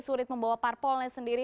sulit membawa parpolnya sendiri